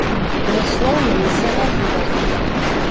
У асноўным з-за мяжы вязуць.